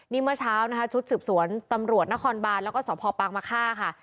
นี่เมื่อเช้านะคะชุดสืบสวนตำรวจนครบานแล้วก็สพปางมะค่าค่ะ